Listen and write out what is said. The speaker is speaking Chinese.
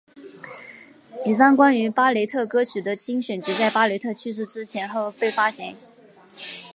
几张关于巴雷特歌曲的精选集在巴雷特去世前后被发行。